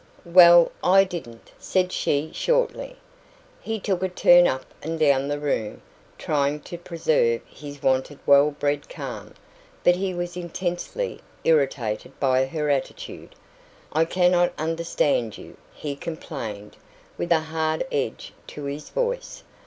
"Well, I didn't," said she shortly. He took a turn up and down the room, trying to preserve his wonted well bred calm. But he was intensely irritated by her attitude. "I cannot understand you," he complained, with a hard edge to his voice.